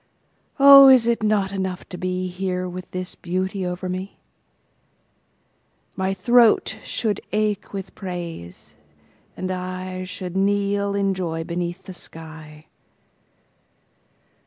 Oh, is it not enough to beHere with this beauty over me? My throat should ache with praise, and IShould kneel in joy beneath the sky.